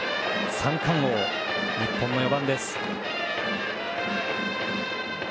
三冠王、日本の４番です。